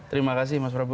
terima kasih mas prabu